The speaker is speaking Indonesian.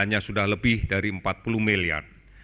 hanya sudah lebih dari empat puluh miliar